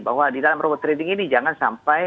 bahwa di dalam robot trading ini jangan sampai